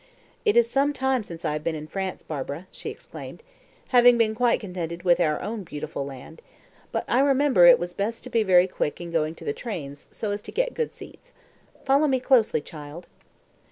"It is some time since I have been in France, Barbara," she exclaimed, "having been quite contented with our own beautiful land; but I remember it was best to be very quick in going to the train so as to get good seats. Follow me closely, child."